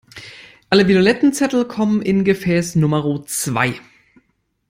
Alle violetten Zettel kommen in Gefäß Numero zwei.